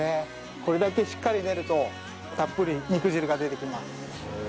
これだけしっかり練るとたっぷり肉汁が出てきます。